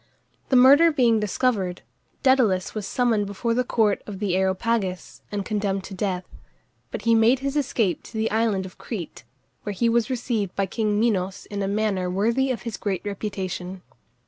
The murder being discovered, Dædalus was summoned before the court of the Areopagus and condemned to death; but he made his escape to the island of Crete, where he was received by king Minos in a manner worthy of his great reputation.